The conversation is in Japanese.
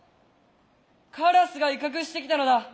カラスが威嚇してきたのだ。